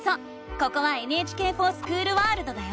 ここは「ＮＨＫｆｏｒＳｃｈｏｏｌワールド」だよ！